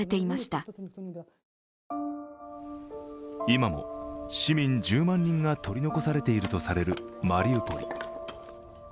今も市民１０万人が取り残されているとされるマリウポリ。